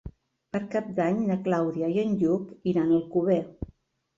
Per Cap d'Any na Clàudia i en Lluc iran a Alcover.